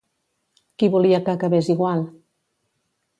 Qui volia que acabés igual?